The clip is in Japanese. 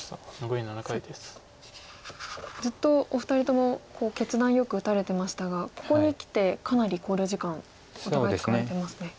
ずっとお二人とも決断よく打たれてましたがここにきてかなり考慮時間お互い使われてますね。